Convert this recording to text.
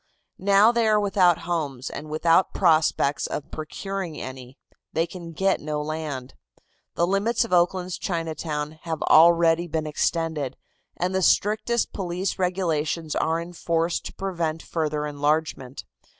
Now they are without homes and without prospects of procuring any. They can get no land. The limits of Oakland's Chinatown have already been extended, and the strictest police regulations are in force to prevent further enlargement.